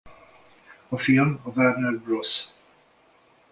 A film a Warner Bros.